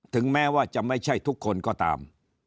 ถึงแม้ว่าจะไม่ใช่ทุกคนก็ตาม